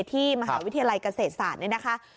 ที่มหาวิทยาลัยเกษตรศาสตร์นี่นะคะ